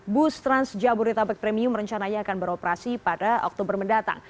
bus trans jabodetabek premium rencananya akan beroperasi pada oktober mendatang